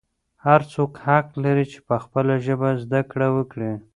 هر څوک حق لري چې په خپله ژبه زده کړه وکړي.